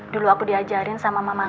dulu aku diajarin sama mama